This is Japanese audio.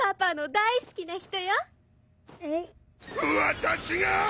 私が！